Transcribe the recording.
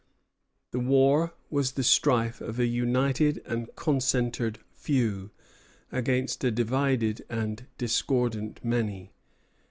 This war was the strife of a united and concentred few against a divided and discordant many.